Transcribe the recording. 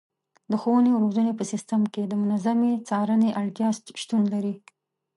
د ښوونې او روزنې په سیستم کې د منظمې څارنې اړتیا شتون لري.